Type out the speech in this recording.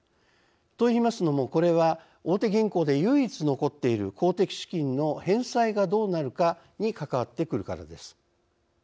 といいますのもこれは大手銀行で唯一残っている公的資金の返済がどうなるかに関わってくるからです。